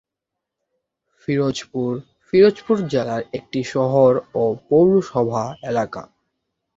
ফিরোজপুর, ফিরোজপুর জেলার একটি শহর ও পৌরসভা এলাকা।